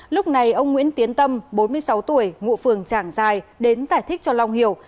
lúc này ông nguyễn tiến tâm bốn mươi sáu tuổi ngụ phường trảng dài đến giải thích cho long hiểu